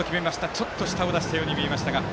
ちょっと舌を出したように見えましたが。